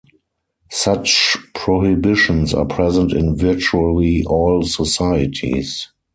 Such prohibitions are present in virtually all societies.